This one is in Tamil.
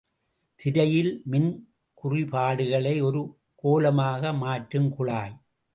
திரையில் மின்குறிபாடுகளை ஒரு கோலமாக மாற்றுங் குழாய்.